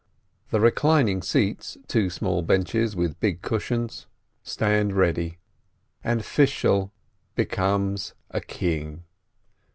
The reclining seats (two small benches with big cushions) stand ready, and Fishel becomes a king.